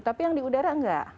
tapi yang di udara enggak